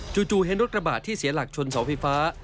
เห็นรถกระบาดที่เสียหลักชนเสาไฟฟ้า